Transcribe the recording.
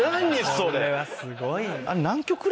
それはすごい。